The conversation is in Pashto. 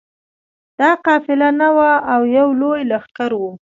دا قافله نه وه او یو لوی لښکر وو.